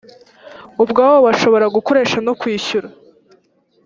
ubwabo bashobora gukoresha no kwishyura.